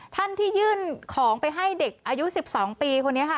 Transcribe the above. ท่านที่ยื่นของไปให้เด็กอายุ๑๒ปีคนนี้ค่ะ